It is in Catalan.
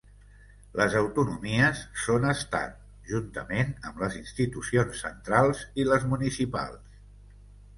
Les autonomies són estat, juntament amb les institucions ‘centrals’ i les municipals.